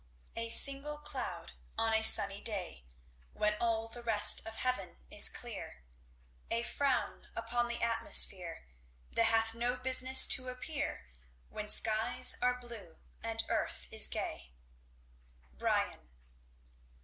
A single cloud on a sunny day When all the rest of heaven is clear, A frown upon the atmosphere, That hath no business to appear, When skies are blue and earth is gay. Byron.